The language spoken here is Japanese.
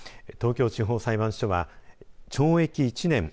東京地方裁判所は懲役１年